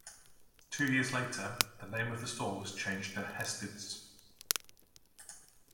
Two years later, the name of the store was changed to Hested's.